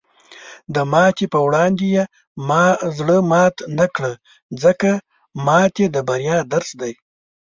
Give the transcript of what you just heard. د ماتې په وړاندې زړۀ مات نه کړه، ځکه ماتې د بریا درس دی.